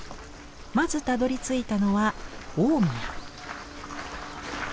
まずたどりついたのは大宮。